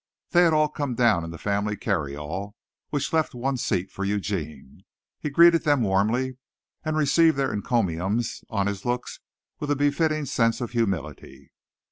They had all come down in the family carryall, which left one seat for Eugene. He greeted them warmly and received their encomiums on his looks with a befitting sense of humility.